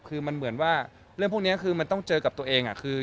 คือมันเหมือนว่าเรื่องพวกนี้คือมันต้องเจอกับตัวเองคือ